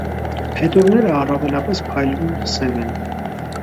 Փետուրները առավելապես փայլուն սև են։